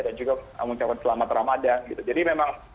dan juga mengucapkan selamat ramadhan gitu